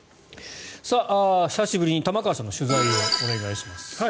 久しぶりに玉川さんの取材をお願いします。